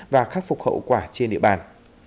và khắc phục hậu quả trên địa bàn